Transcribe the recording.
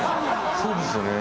そうですよね。